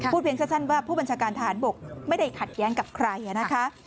เพียงสั้นว่าผู้บัญชาการทหารบกไม่ได้ขัดแย้งกับใครนะคะ